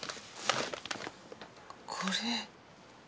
これ。